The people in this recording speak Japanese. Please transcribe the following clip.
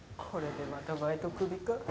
これでまたバイト首か。